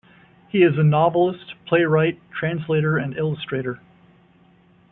He is a novelist, playwright, translator and illustrator.